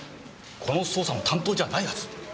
この捜査の担当じゃないはず。